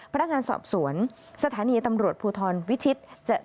พนักงานสอบสวนสถานีตำรวจภูทรวิชิต